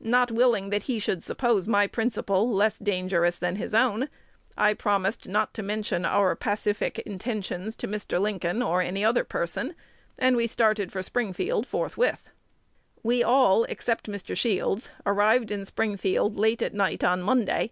Not willing that he should suppose my principal less dangerous than his own, I promised not to mention our pacific intentions to Mr. Lincoln or any other person; and we started for Springfield forthwith. We all, except Mr. Shields, arrived in Springfield late at night on Monday.